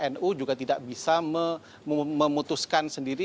nu juga tidak bisa memutuskan sendiri